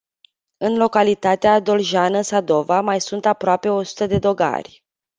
În localitatea doljeană Sadova mai sunt aproape o sută de dogari.